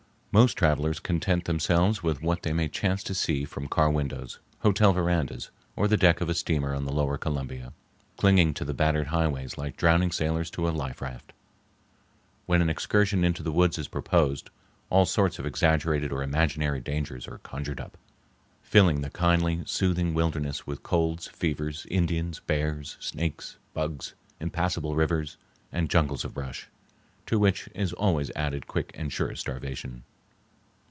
Most travelers content themselves with what they may chance to see from car windows, hotel verandas, or the deck of a steamer on the lower Columbia—clinging to the battered highways like drowning sailors to a life raft. When an excursion into the woods is proposed, all sorts of exaggerated or imaginary dangers are conjured up, filling the kindly, soothing wilderness with colds, fevers, Indians, bears, snakes, bugs, impassable rivers, and jungles of brush, to which is always added quick and sure starvation.